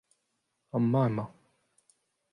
amañ emañ.